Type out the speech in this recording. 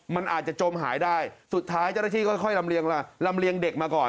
มันอาจจะจมหายได้สุดท้ายเจ้าหน้าที่ก็ค่อยลำเลียงเด็กมาก่อน